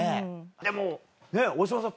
でも大島さん